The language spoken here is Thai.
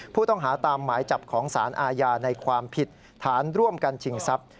ผู้ต้องหาตามหมายจับของสารอาญาในความผิดฐานร่วมกันชิงทรัพย์